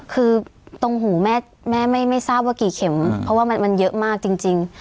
คือตรงหูแม่แม่ไม่ทราบว่ากี่เข็มเพราะว่ามันเยอะมากจริง